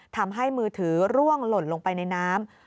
ทำให้มือถือร่วงหล่นลงไปในน้ำ